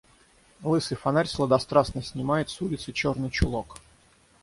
Лысый фонарь сладострастно снимает с улицы черный чулок.